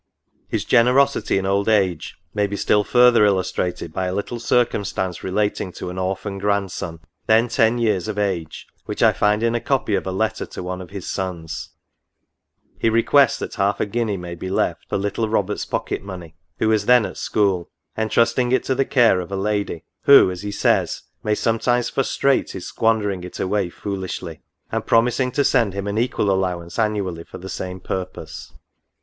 His generosity in old age may be still further illustrated by a little circumstance relating to an orphan grandson, then ten years of age, which I find in a copy of a letter to one of his sons ; he requests that half a guinea may be left for " little Robert's pocket money," who was then at school ; entrusting it to the care of a lady^ who, as he says. NOTES. *V ^ 57 <• may sometimes frustrate his squandering it away foolishly," and promising to send him an equal allowance annually for the same purpose.